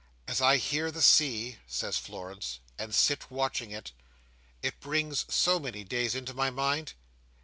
"As I hear the sea," says Florence, "and sit watching it, it brings so many days into my mind.